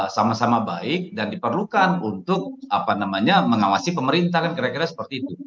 sama sama baik dan diperlukan untuk mengawasi pemerintah kan kira kira seperti itu